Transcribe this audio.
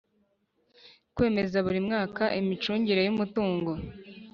Kwemeza buri mwaka imicungire y umutungo